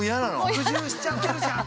服従しちゃってるじゃん。